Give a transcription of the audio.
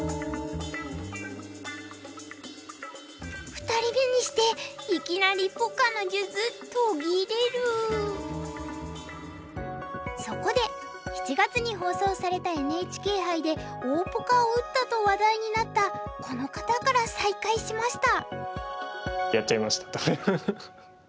２人目にしていきなりそこで７月に放送されたＮＨＫ杯で大ポカを打ったと話題になったこの方から再開しました。